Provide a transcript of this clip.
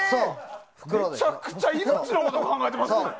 めちゃくちゃ命のこと考えてますね。